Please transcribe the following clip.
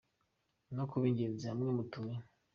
No kuba ingenzi hamwe mutuye